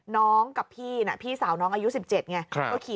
น้องกับพี่น่ะพี่สาวน้องอายุ๑๗ไง